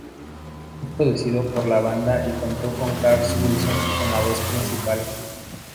Fue producido por la banda y contó con Carl Wilson con la voz principal.